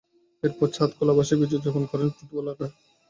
এরপর ছাদখোলা বাসে বিজয় উদযাপন করেন ফুটবলাররা।